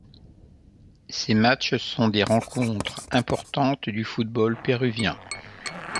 Ces matches sont des rencontres importantes du football péruvien.